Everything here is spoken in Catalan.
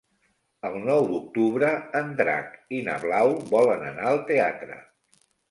El nou d'octubre en Drac i na Blau volen anar al teatre.